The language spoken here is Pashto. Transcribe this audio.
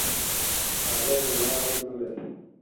سوالګر د ژړا غږ نه لري